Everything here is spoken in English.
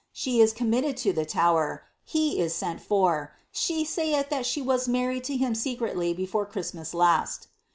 Slie is committed to the Tower ; he is Kot fur. She saith that she was married to him secretly before Christ* nas last.''